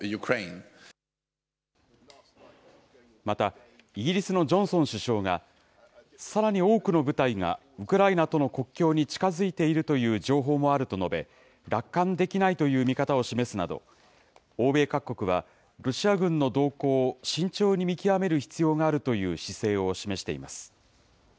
また、イギリスのジョンソン首相が、さらに多くの部隊がウクライナとの国境に近づいているという情報もあると述べ、楽観できないという見方を示すなど、欧米各国はロシア軍の動向を慎重に見極める必要があるという姿勢